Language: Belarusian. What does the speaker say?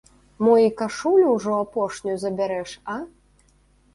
Мо і кашулю ўжо апошнюю забярэш, а?